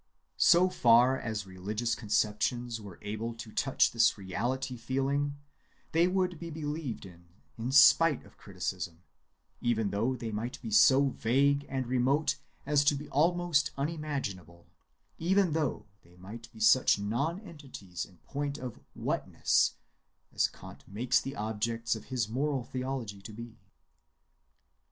So far as religious conceptions were able to touch this reality‐ feeling, they would be believed in in spite of criticism, even though they might be so vague and remote as to be almost unimaginable, even though they might be such non‐entities in point of whatness, as Kant makes the objects of his moral theology to be.